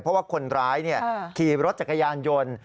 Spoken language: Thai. เพราะว่าคนร้ายขี่รถจักรยานยนต์